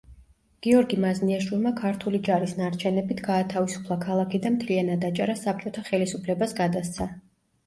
გიორგი მაზნიაშვილმა ქართული ჯარის ნარჩენებით გაათავისუფლა ქალაქი და მთლიანად აჭარა საბჭოთა ხელისუფლებას გადასცა.